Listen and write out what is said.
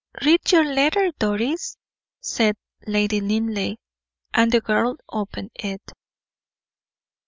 "Read your letter, Doris," said Lady Linleigh, and the girl opened it.